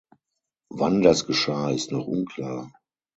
Wann das geschah, ist noch unklar.